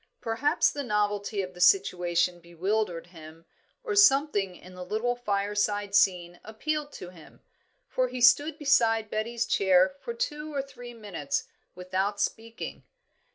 Perhaps the novelty of the situation bewildered him, or something in the little fireside scene appealed to him; for he stood beside Betty's chair for two or three minutes without speaking.